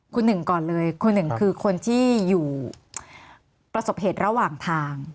คุณหนึ่งก่อนเลยคุณหนึ่งคือคนที่อยู่ประสบเหตุระหว่างทาง